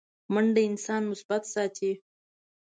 منډه انسان مثبت ساتي